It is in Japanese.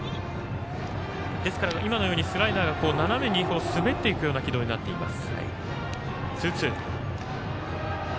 今のようにスライダーが斜めに滑っていく軌道になっています。